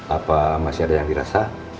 apa masih ada yang dirasa